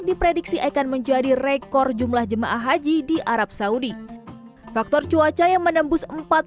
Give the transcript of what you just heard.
diprediksi akan menjadi rekor jumlah jemaah haji di arab saudi faktor cuaca yang menembus